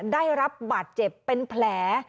ได้รับบาดเจ็บเป็นแผล